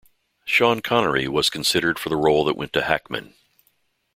Sean Connery was considered for the role that went to Hackman.